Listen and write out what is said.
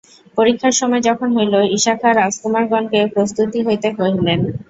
পরীক্ষার সময় যখন হইল, ইশা খাঁ রাজকুমারগণকে প্রস্তুত হইতে কহিলেন।